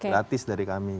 gratis dari kami